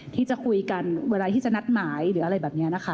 ที่จะคุยกันเวลาที่จะนัดหมายหรืออะไรแบบนี้นะคะ